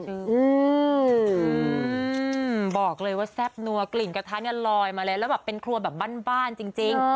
อืมบอกเลยว่าแซ่บนัวกลิ่นกระทะเนี่ยลอยมาเลยแล้วแบบเป็นครัวแบบบ้านบ้านจริง